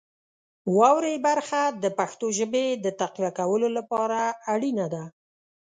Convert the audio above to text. واورئ برخه د پښتو ژبې د تقویه کولو لپاره اړینه ده.